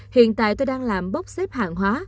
hiện tại tôi đang làm bốc xếp hàng hóa